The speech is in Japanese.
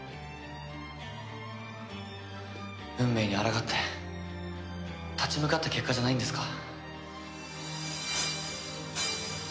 運命にあらがって立ち向かった結果じゃないんですか？